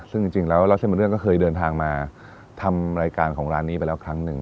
ซึ่งจริงแล้วเล่าเส้นเป็นเรื่องก็เคยเดินทางมาทำรายการของร้านนี้ไปแล้วครั้งหนึ่ง